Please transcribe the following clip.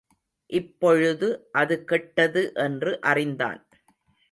இப்பொழுது அது கெட்டது என்று அறிந்தான்.